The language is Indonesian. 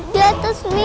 di atas mi